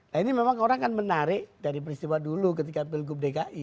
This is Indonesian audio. nah ini memang orang kan menarik dari peristiwa dulu ketika pilgub dki